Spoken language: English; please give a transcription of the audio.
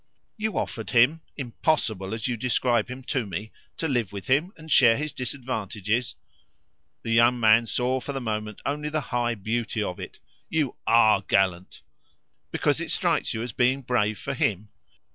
"You offered him 'impossible' as you describe him to me to live with him and share his disadvantages?" The young man saw for the moment only the high beauty of it. "You ARE gallant!" "Because it strikes you as being brave for him?"